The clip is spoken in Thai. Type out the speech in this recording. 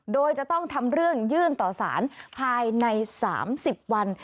โดยจะต้องทำเรื่องยื่นต่อสารภายใน๓๐วัน